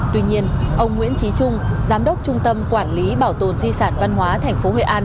tuy nhiên ông nguyễn trí trung giám đốc trung tâm quản lý bảo tồn di sản văn hóa thành phố hội an